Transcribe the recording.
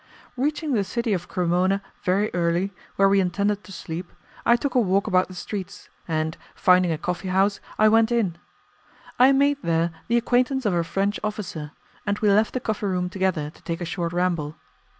Reaching the city of Cremona very early, where we intended to sleep, I took a walk about the streets, and, finding a coffee house, I went in. I made there the acquaintance of a French officer, and we left the coffee room together to take a short ramble.